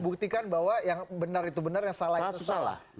buktikan bahwa yang benar itu benar yang salah itu salah